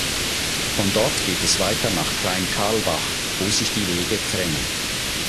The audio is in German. Von dort geht es weiter nach Kleinkarlbach, wo sich die Wege trennen.